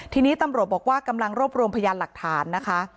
ทีนี้ตำรวจบอกว่ากำลังรวบรวมพยานหลักฐานนะคะ